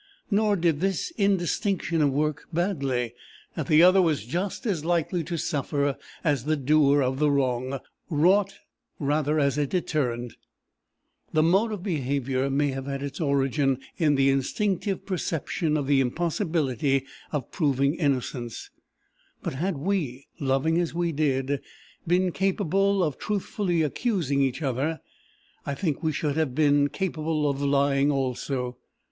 Nor did this indistinction work badly: that the other was just as likely to suffer as the doer of the wrong, wrought rather as a deterrent. The mode of behaviour may have had its origin in the instinctive perception of the impossibility of proving innocence; but had we, loving as we did, been capable of truthfully accusing each other, I think we should have been capable of lying also.